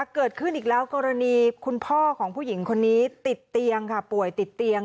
เกิดขึ้นอีกแล้วกรณีคุณพ่อของผู้หญิงคนนี้ติดเตียงค่ะป่วยติดเตียง